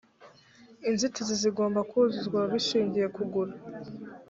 inzitizi zigomba kuzuzwa bishingiye kugura